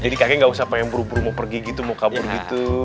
jadi kakek gak usah pengen buru buru mau pergi gitu mau kabur gitu